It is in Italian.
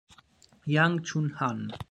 Yang Chun-han